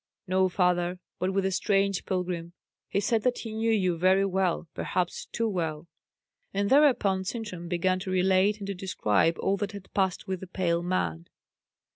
"No, father; but with a strange pilgrim. He said that he knew you very well perhaps too well." And thereupon Sintram began to relate and to describe all that had passed with the pale man.